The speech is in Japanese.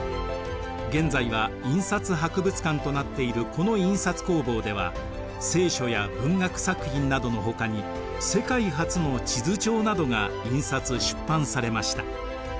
現在は印刷博物館となっているこの印刷工房では「聖書」や文学作品などのほかに世界初の地図帳などが印刷出版されました。